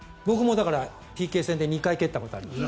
僕もＰＫ戦で２回蹴ったことがあります。